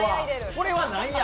これは何や。